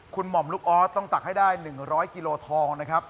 คุณหม่อมลูกออสต้องตักให้ได้๑๐๐กิโลทองนะครับ